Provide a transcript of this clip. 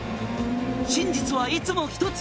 「真実はいつもひとつ‼」